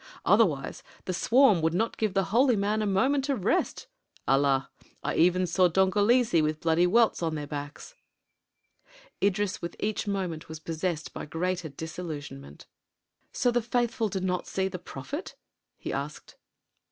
Otherwise the swarm would not give the holy man a moment of rest Allah! I saw even Dongolese with bloody welts on their backs " Idris with each moment was possessed by greater disillusionment. "So the faithful do not see the prophet?" he asked.